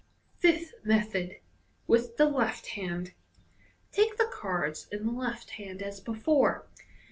Fifth Method. (With the left hand.)— Take the cards in the left hand as before.